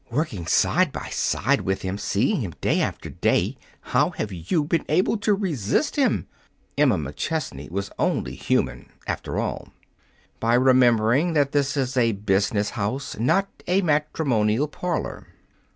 "Working side by side with him, seeing him day after day, how have you been able to resist him?" Emma McChesney was only human, after all. "By remembering that this is a business house, not a matrimonial parlor."